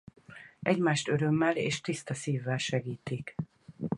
Egymást örömmel és tiszta szívvel segítik.